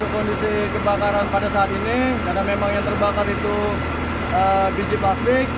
kondisi kebakaran pada saat ini karena memang yang terbakar itu biji plastik